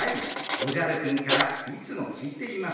おじゃるくんからいつも聞いています。